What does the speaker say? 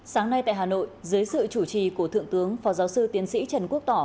sáng nay tại hà nội dưới sự chủ trì của thượng tướng phó giáo sư tiến sĩ trần quốc tỏ